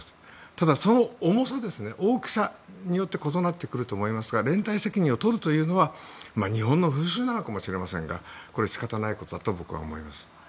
ただ、その重さ、大きさによって異なってくると思いますが連帯責任をとるというのは日本の風習なのかと思いますが仕方ないことだと僕は思います。